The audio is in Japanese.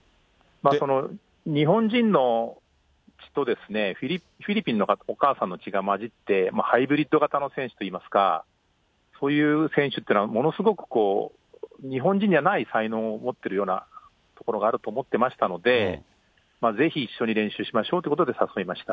日本人の血と、フィリピンのお母さんの血が混じって、ハイブリッド型の選手といいますか、そういう選手というのは、ものすごくこう、日本人にはない才能を持っているようなところがあると思ってましたので、ぜひ一緒に練習しましょうということで、誘いました。